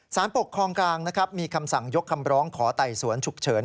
สารปกครองกลางนะครับมีคำสั่งยกคำร้องขอไต่สวนฉุกเฉิน